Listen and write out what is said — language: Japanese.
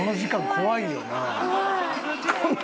怖い。